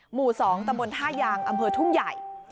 หมู่๒ตำบลท่ายางอำเภอทุ่งใหญ่